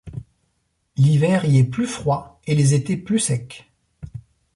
L'hiver y est plus froid et les étés plus secs.